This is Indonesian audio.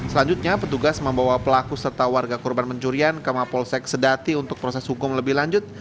selanjutnya petugas membawa pelaku serta warga korban pencurian ke mapolsek sedati untuk proses hukum lebih lanjut